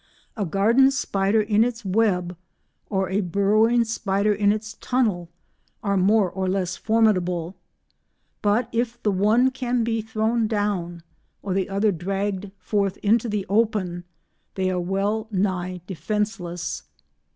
A garden spider in its web, or a burrowing spider in its tunnel are more or less formidable, but if the one can be thrown down, or the other dragged forth into the open, they are well nigh defenceless.